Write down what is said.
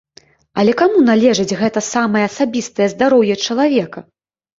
Але каму належыць гэта самае асабістае здароўе чалавека?